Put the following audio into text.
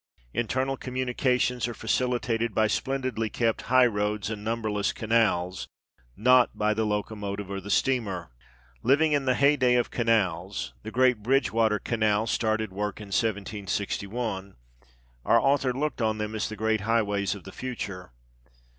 Internal communications are facilitated by splendidly kept high roads and numberless canals, not by the locomotive or the steamer. Living in the heyday of canals (the great " Bridgewater " Canal started work in xxii THE EDITOR'S PREFACE. 1761), our author looked on them as the great highways of the future.